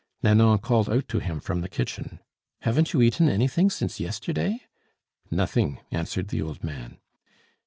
Nanon called out to him from the kitchen: "Haven't you eaten anything since yesterday?" "Nothing," answered the old man.